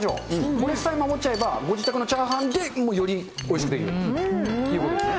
これさえ守っちゃえば、ご自宅のチャーハンで、よりおいしくできるということですね。